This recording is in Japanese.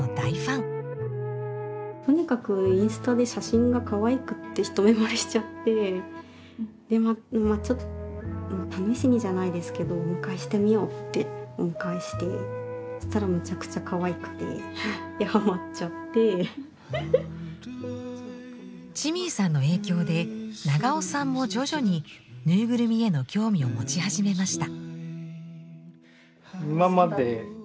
とにかくインスタで写真がかわいくって一目惚れしちゃってまあちょっと試しにじゃないですけどお迎えしてみようってチミーさんの影響で永尾さんも徐々にぬいぐるみへの興味を持ち始めました。